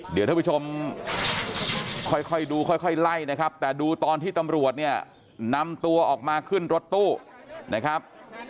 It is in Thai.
เดี๋ยวท่านผู้ชมค่อยดูค่อยไล่นะครับแต่ดูตอนที่ตำรวจเนี่ยนำตัวออกมาขึ้นรถตู้นะครับ